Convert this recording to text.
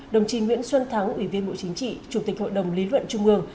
đồng chí nguyễn xuân thắng ủy viên bộ chính trị chủ tịch hội đồng lý luận trung ương